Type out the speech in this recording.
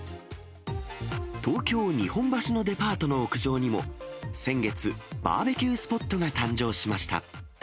東京・日本橋のデパートの屋上にも先月、バーベキュースポットが誕生しました。